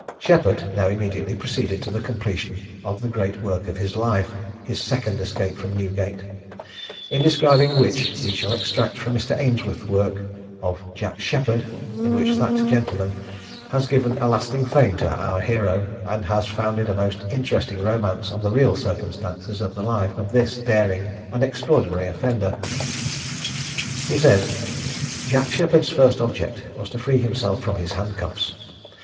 Sheppard now immediately proceeded to the completion of the great work of his life, his second escape from Newgate; in describing which we shall extract from Mr. Ainsworth's work of "Jack Sheppard," in which that gentleman has given a lasting fame to our hero, and has founded a most interesting romance on the real circumstances of the life of this daring and extraordinary offender. He says, "Jack Sheppard's first object was to free himself from his handcuffs.